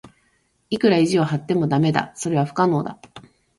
いくら意地を張っても駄目だ。それは不可能だ。